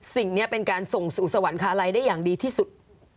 สิ่งนี้เป็นการส่งสู่สวรรคาลัยได้อย่างดีที่สุด